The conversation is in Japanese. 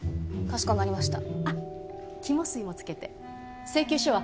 かしこまりました。